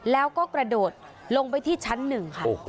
แล้วก็กระโดดลงไปที่ชั้น๑ค่ะ